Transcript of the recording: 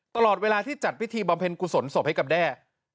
ตลอดเวลาที่จัดพิธีบำเพ็ญกุศลศพให้กับแด้